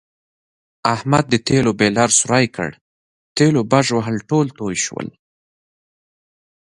احمد د تېلو بیلر سوری کړ، تېلو بژوهل ټول تویې شول.